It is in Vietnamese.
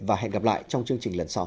và hẹn gặp lại trong chương trình lần sau